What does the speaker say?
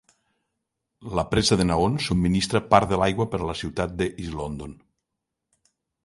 La presa de Nahoon subministra part de l'aigua per a la ciutat de East London.